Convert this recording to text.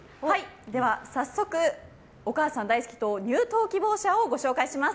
では早速、お母さん大好き党入党希望者をご紹介します。